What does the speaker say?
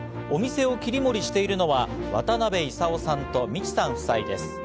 お店を切り盛りしているのは渡辺功さんと三千さん夫妻です。